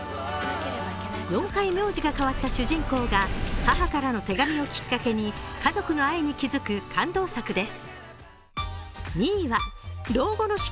４回名字が変わった主人公が母からの手紙をきっかけに、家族の愛に気づく感動作です。